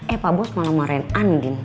eh pak bos malah mau ngeren andin